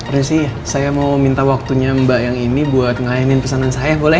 persi saya mau minta waktunya mbak yang ini buat ngelainin pesanan saya boleh